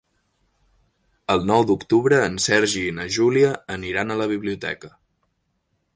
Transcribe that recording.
El nou d'octubre en Sergi i na Júlia aniran a la biblioteca.